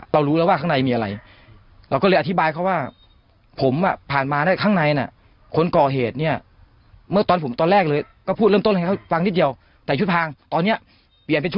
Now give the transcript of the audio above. เรารู้แล้วว่าใกล้ไหนมีอะไร